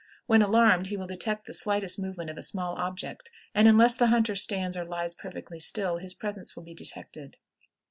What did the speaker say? When alarmed he will detect the slightest movement of a small object, and, unless the hunter stands or lies perfectly still, his presence will be detected.